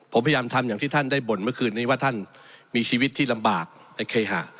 ผมพยายามทำอย่างที่ท่านได้บ่นเมื่อคืนนี้ว่าท่านมีชีวิตที่ลำบากในเคหะ